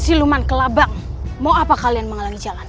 siluman ke labang mau apa kalian mengalami jalan